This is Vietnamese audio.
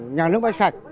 nhà nước máy sạch